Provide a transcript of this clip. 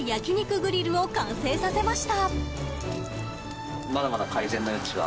グリルを完成させました。